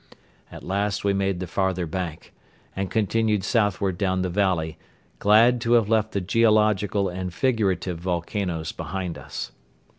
At last we made the farther bank and continued southward down the valley, glad to have left the geological and figurative volcanoes behind us.